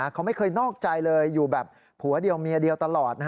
เขาไม่เคยนอกใจเลยอยู่แบบผัวเดียวเมียเดียวตลอด